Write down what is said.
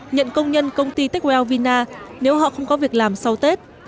nhận công nhân công ty techwell vina nếu họ không có việc làm sau tết